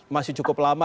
masih cukup lama